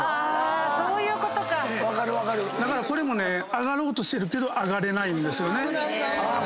上がろうとしてるけど上がれないんですよね。